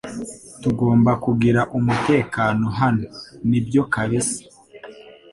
Tugomba kugira umutekano hano nibyo kabisa